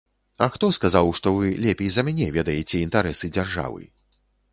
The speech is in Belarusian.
А хто сказаў, што вы лепей за мяне ведаеце інтарэсы дзяржавы?